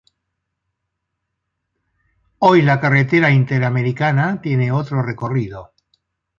Hoy la Carretera Interamericana tiene otro recorrido.